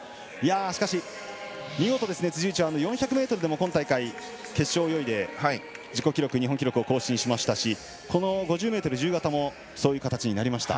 しかし、見事ですね辻内は４００ｍでも今大会、決勝を泳いで自己記録、日本記録を更新しましたし５０ｍ自由形もそういう形になりました。